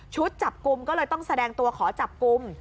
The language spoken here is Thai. จับกลุ่มก็เลยต้องแสดงตัวขอจับกลุ่ม